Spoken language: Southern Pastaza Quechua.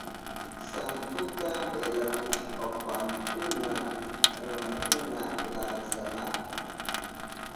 Santuta velahushpankuna runakuna lansanahun.